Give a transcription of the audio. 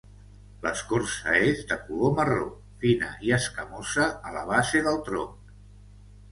L'escorça és de color marró, fina i escamosa a la base del tronc.